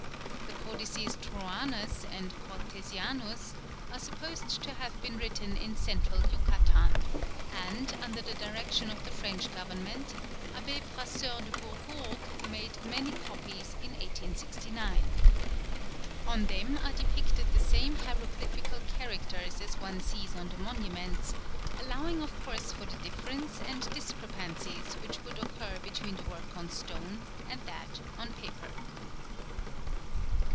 The Codices Troanus and Cortesianus are supposed to have been written in Central Yucatan; and, under the direction of the French Government, Abbé Brasseur de Bourbourg made many copies in 1869. On them are depicted the same hieroglyphical characters as one sees on the monuments, allowing of course for the difference and discrepancies which would occur between the work on stone and that on paper.